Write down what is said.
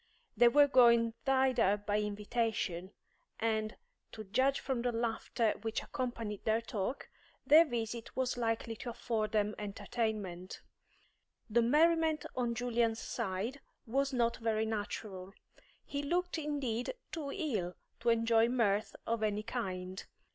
They were going thither by invitation, and, to judge from the laughter which accompanied their talk, their visit was likely to afford them entertainment. The merriment on Julian's side was not very natural; he looked indeed too ill to enjoy mirth of any kind.